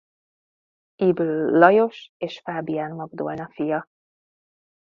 Ybl Lajos és Fábián Magdolna fia.